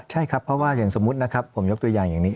ใช่ครับเพราะว่าอย่างสมมุตินะครับผมยกตัวอย่างอย่างนี้